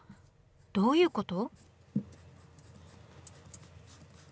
どういうこと？